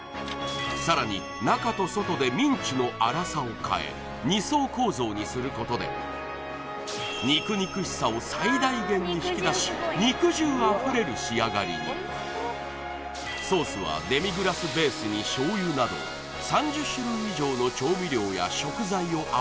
さらに中と外でミンチの粗さを変え２層構造にすることで肉肉しさを最大限に引き出し肉汁あふれる仕上がりにソースはデミグラスベースに醤油など・うめっ・